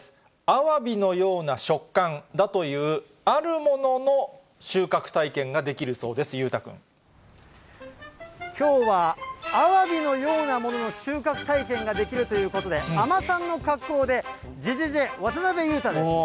アワビのような食感だというあるものの収穫体験ができるそうです、きょうは、アワビのようなものの収穫体験ができるということで、海士さんの格好で、じぇじぇじぇ、渡辺裕太です。